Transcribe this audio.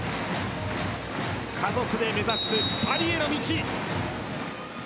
家族で目指すパリへの道。